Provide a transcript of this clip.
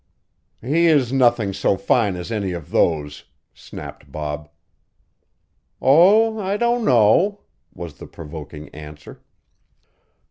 "He is nothing so fine as any of those," snapped Bob. "Oh, I don't know," was the provoking answer.